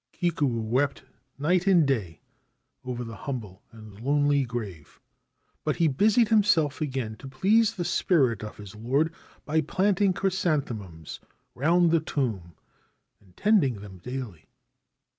Kikuo wept night and day over the humble and lonely grave ; but he busied himself again to please the spirit of his lord by planting chrysanthemums round the tomb and tending them daily.